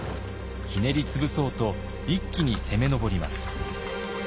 ひねり潰そうと一気に攻め上ります。